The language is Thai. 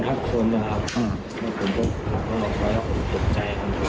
ผมก็ถามว่าแล้วผมตกใจว่าผิดหรือเปล่า